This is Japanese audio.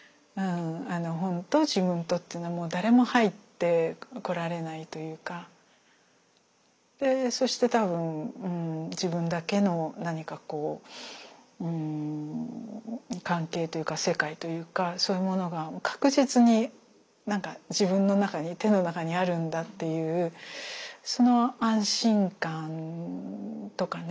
「本と自分と」っていうのはもう誰も入ってこられないというかそして多分自分だけの何かこううん関係というか世界というかそういうものが確実に自分の中に手の中にあるんだっていうその安心感とかね